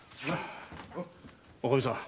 おかみさん。